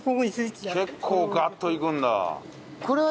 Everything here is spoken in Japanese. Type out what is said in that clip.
結構ガッといくんだ。